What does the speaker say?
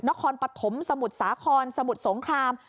นครปฐมสมุทรสาครสมุทรสงคราม